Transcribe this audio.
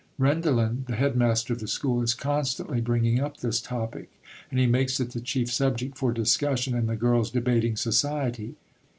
Rendalen, the head master of the school, is constantly bringing up this topic, and he makes it the chief subject for discussion in the girls' debating society!